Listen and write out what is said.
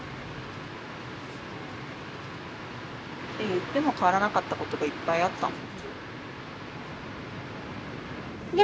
言っても変わらなかったことがいっぱいあったの？